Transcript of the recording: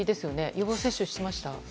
予防接種はしました？